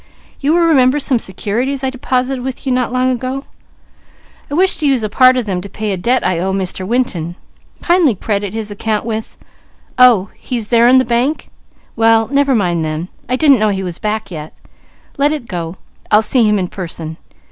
You will remember some securities I deposited with you not long ago? I wish to use a part of them to pay a debt I owe Mr. Winton. Kindly credit his account with oh, he's there in the bank? Well never mind then. I didn't know he was back yet. Let it go! I'll see him in person.